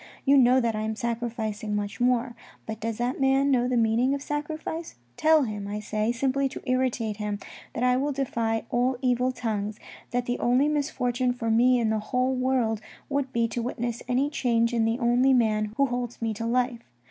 You know that I am sacrificing much more. But does that man know the meaning of sacrifice? Tell him, I say, simply to irritate him, that 1 will defy all evil tongues, that the only misfortune for me in the whole world would be to witness any change in the only man who holds me to life.